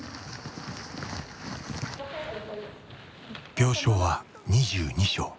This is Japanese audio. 病床は２２床。